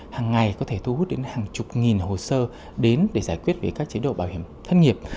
hàng ngày có thể thu hút đến hàng chục nghìn hồ sơ đến để giải quyết về các chế độ bảo hiểm thất nghiệp